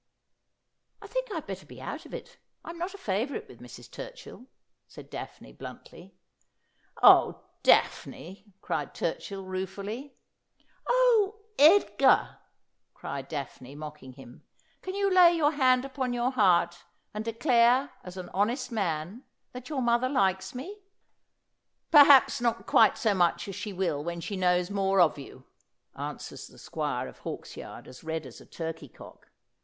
' I think I'd better be out of it. I'm not a favourite with Mrs. Turchill,' said Daphne bluntly. ' Oh, Daphne !' cried Turchill ruefully. ' Oh, Edgar !' cried Daphne, mocking him. ' Can you lay your hand upon your heart, and declare, as an honest man, that your mother likes me ?'' I'erhaps not quite so much as she will when she knows more of you,' answers the Squire of Hawksyard, as red as a turkey cock.